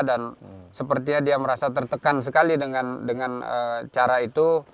dan sepertinya dia merasa tertekan sekali dengan cara itu